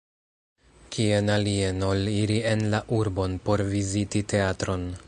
Kien alien ol iri en la urbon por viziti teatron?